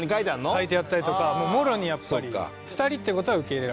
書いてあったりとかもうもろにやっぱり。